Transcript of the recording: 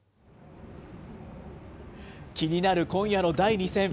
気になる今夜の第２戦。